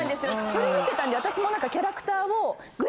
それ見てたんで私も何かキャラクターを。